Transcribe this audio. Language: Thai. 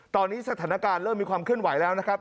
ตอนนี้สถานการณ์เริ่มมีความเคลื่อนไหวแล้วนะครับ